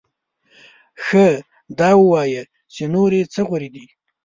ښه دا ووایه چې نورې څه غورې دې؟